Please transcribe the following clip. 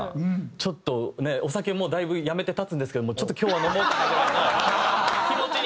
ちょっとねお酒もだいぶやめて経つんですけどもちょっと今日は飲もうかなぐらいの気持ちに。